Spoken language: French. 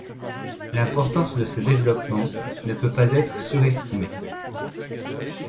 L'importance de ce développement ne peut pas être surestimée.